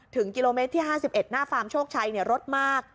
ถึงกิโลเมตรที่๕๑หน้าฟาร์มโชคชัยรถมาก